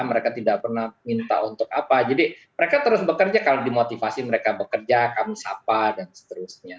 mereka tidak pernah minta untuk apa jadi mereka terus bekerja kalau dimotivasi mereka bekerja kamu siapa dan seterusnya